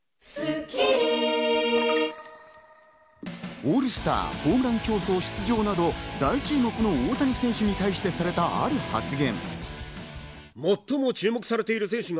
オールスター、ホームラン競争出場など大注目の大谷選手に対してされた、ある発言。